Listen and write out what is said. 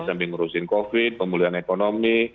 sambil ngurusin covid pemulihan ekonomi